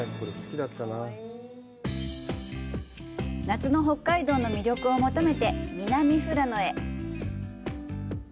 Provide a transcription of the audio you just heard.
夏の北海道の魅力を求めて南富良野へ。